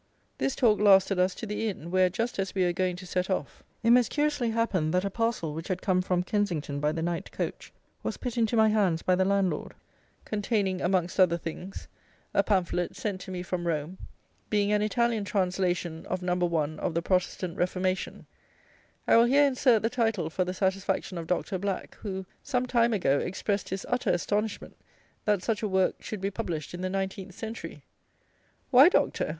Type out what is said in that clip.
This talk lasted us to the inn, where, just as we were going to set off, it most curiously happened, that a parcel which had come from Kensington by the night coach, was put into my hands by the landlord, containing, amongst other things, a pamphlet, sent to me from Rome, being an Italian translation of No. I. of the "Protestant Reformation." I will here insert the title for the satisfaction of Doctor Black, who, some time ago, expressed his utter astonishment, that "such a work should be published in the nineteenth century." Why, Doctor?